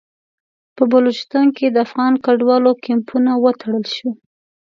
په بلوچستان کې د افغان کډوالو کمپونه وتړل شول.